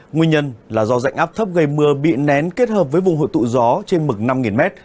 nguyên nhân là do dạnh áp thấp gây mưa bị nén kết hợp với vùng hội tụ gió trên mực năm m